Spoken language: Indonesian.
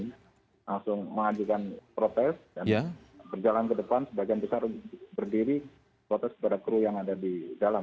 langsung mengajukan protes dan berjalan ke depan sebagian besar berdiri protes kepada kru yang ada di dalam